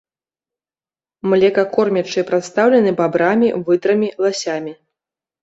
Млекакормячыя прадстаўлены бабрамі, выдрамі, ласямі.